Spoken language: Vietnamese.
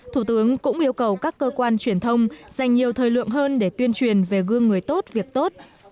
thủ tướng cũng yêu cầu các cơ quan truyền thông dành nhiều thời lượng hơn để tuyên truyền về gương người tốt việc tốt